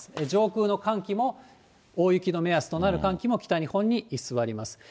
上空の寒気も大雪の目安となる寒気も北日本に居座ります。